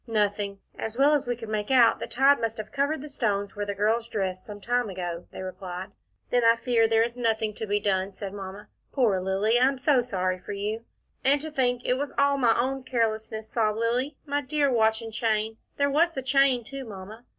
"Nothing as well as we could make out, the tide must have covered the stones where the girls dressed, some time ago," they replied. "Then I fear there is nothing to be done," said Mamma. "Poor Lilly, I am so sorry for you." "And to think it was all my own carelessness," sobbed Lilly. "My dear watch and chain there was the chain too, Mamma."